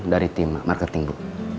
dari tim marketing bu